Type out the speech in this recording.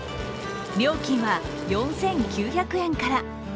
料金は４９００円から。